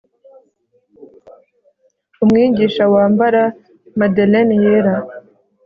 Umwigisha wambara Madeleine yera